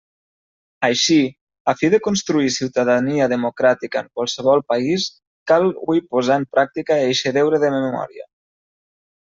Així, a fi de construir ciutadania democràtica en qualsevol país, cal hui posar en pràctica eixe deure de memòria.